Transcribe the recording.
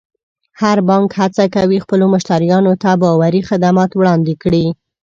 هر بانک هڅه کوي خپلو مشتریانو ته باوري خدمات وړاندې کړي.